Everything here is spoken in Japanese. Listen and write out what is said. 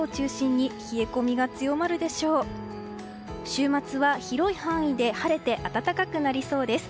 週末は広い範囲で晴れて暖かくなりそうです。